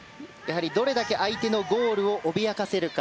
どれだけ相手のゴールを脅かせるか。